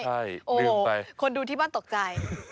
โอ้โฮคนดูที่บ้านตกใจ